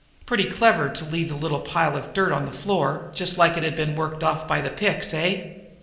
Pretty clever to leave that little pile of dirt on the floor, just like it had been worked off by the picks, eh?